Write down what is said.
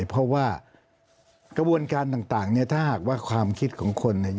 เพราะว่ากระบวนการต่างเนี่ยถ้าหากว่าความคิดของคนเนี่ย